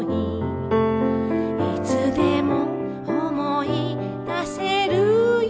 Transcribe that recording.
「いつでも思い出せるよ」